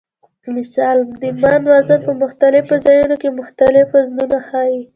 مثلا د "من" وزن په مختلفو ځایونو کې مختلف وزنونه ښیي.